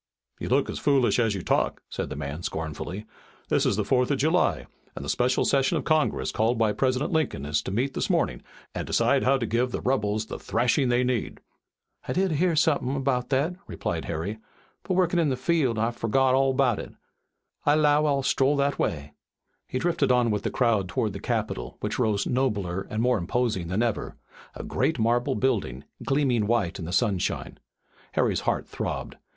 "You look as foolish as you talk," said the man scornfully. "This is the Fourth of July, and the special session of Congress called by President Lincoln is to meet this morning and decide how to give the rebels the thrashing they need." "I did hear somethin' about that," replied Harry, "but workin' in the field I furgot all about it. I 'low I'll stroll that way." He drifted on with the crowd toward the Capitol, which rose nobler and more imposing than ever, a great marble building, gleaming white in the sunshine. Harry's heart throbbed.